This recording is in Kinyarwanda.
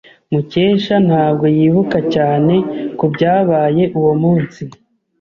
Mukesha ntabwo yibuka cyane kubyabaye uwo munsi.